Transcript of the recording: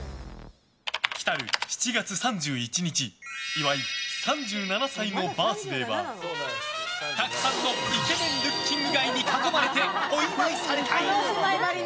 来る７月３１日岩井３７歳のバースデーはたくさんのイケメンルッキングガイに囲まれてお祝いされたい。